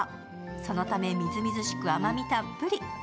そのため、みずみずしく甘みたっぷり。